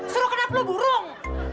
suruh kenap lu burung